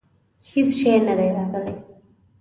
هیڅ شی نه دي راغلي.